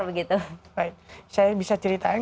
baik saya bisa ceritain